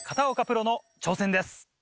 プロの挑戦です。